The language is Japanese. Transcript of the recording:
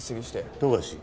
富樫